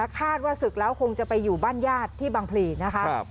คาดว่าศึกแล้วคงจะไปอยู่บ้านญาติที่บางพลีนะคะ